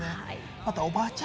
あとは、おばあちゃん